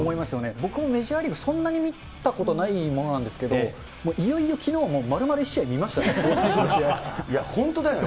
僕もメジャーリーグ、そんなに見たことないものなんですけど、いよいよきのう、まるまる１試合見ましたね、大谷選手の試合。本当に。